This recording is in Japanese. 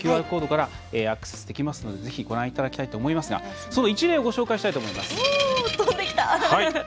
ＱＲコードからアクセスできますのでぜひご覧いただきたいと思いますがその一例をご紹介したいと思います。